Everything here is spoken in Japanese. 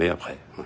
うん。